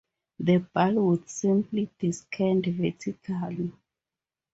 The ball would simply descend vertically.